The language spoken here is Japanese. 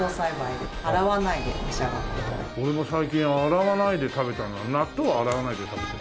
俺が最近洗わないで食べたのは納豆を洗わないで食べてる。